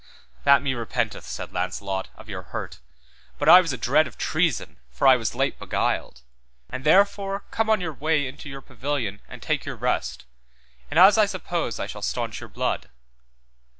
That me repenteth, said Launcelot, of your hurt, but I was adread of treason, for I was late beguiled, and therefore come on your way into your pavilion and take your rest, and as I suppose I shall staunch your blood.